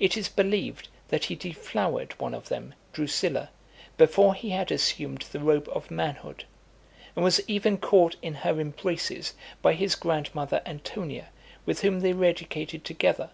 It is believed, that he deflowered one of them, Drusilla, before he had assumed the robe of manhood; and was even caught in her embraces by his grandmother Antonia, with whom they were educated together.